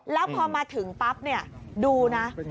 แล้วพอมาถึงปั๊บดูนะ